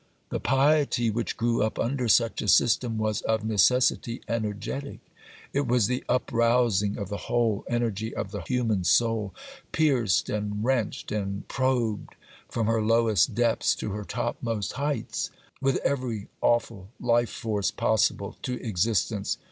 The piety which grew up under such a system was, of necessity, energetic; it was the uprousing of the whole energy of the human soul, pierced and wrenched and probed from her lowest depths to her topmost heights, with every awful life force possible to existence.